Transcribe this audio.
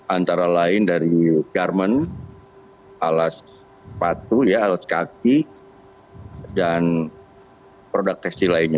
antara lain dari garmen alas patu ya alas kaki dan produk tekstil lainnya